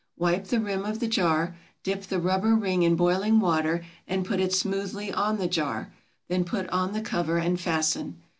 Wipe the rim of the jar, dip the rubber ring in boiling water and put it smoothly on the jar, then put on the cover and fasten.